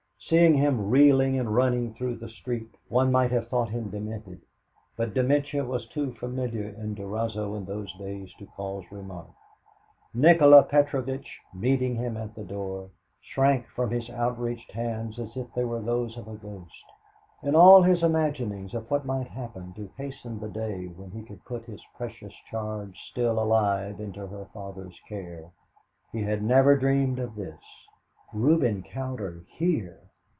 Seeing him reeling and running through the street, one might have thought him demented, but dementia was too familiar in Durazzo in those days to cause remark. Nikola Petrovitch, meeting him at the door, shrank from his outstretched hands as if they were those of a ghost. In all his imaginings of what might happen to hasten the day when he could put his precious charge still alive into her father's care, he had never dreamed of this. Reuben Cowder here!